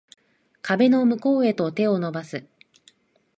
壁の向こうへと手を伸ばす